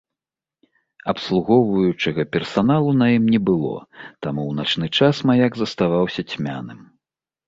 Абслугоўваючага персаналу на ім не было, таму ў начны час маяк заставаўся цьмяным.